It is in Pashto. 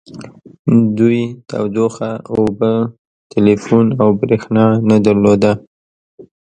دوی تودوخه اوبه ټیلیفون او بریښنا نه درلوده